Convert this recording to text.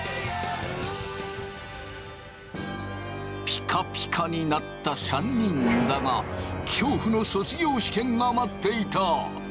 ピカピカになった３人だが恐怖の卒業試験が待っていた。